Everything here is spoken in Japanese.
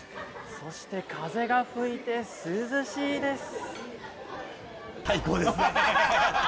そして、風が吹いて涼しいです。